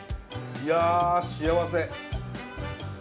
いや幸せ！